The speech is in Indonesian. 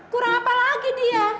kurang apa lagi dia